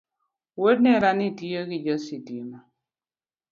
Wuod nerani tiyo gi jo sitima